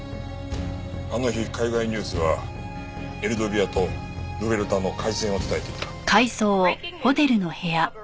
あの日海外ニュースはエルドビアとルベルタの開戦を伝えていた。